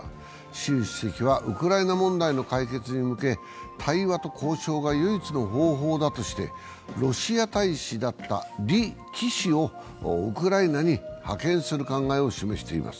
習主席はウクライナ問題の解決に向け、対話と交渉が唯一の方法だとしてロシア大使だった李輝氏をウクライナに派遣する考えを示しています。